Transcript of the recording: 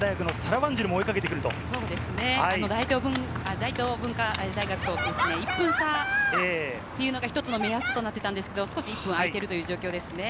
大東文化大学、１分差というのが１つの目安となっていたんですが、１分あいているという状況ですね。